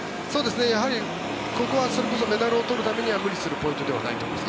やはり、ここはそれこそメダルを取るためには無理するポイントではないと思います。